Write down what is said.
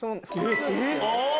えっ！